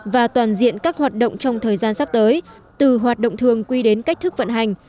và toàn diện các hoạt động trong thời gian sắp tới từ hoạt động thường quy đến cách thức vận hành